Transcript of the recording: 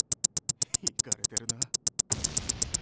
イカれてるな。